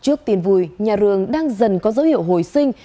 trước tiên vui nhà rường đang dần có dấu hiệu hồi sinh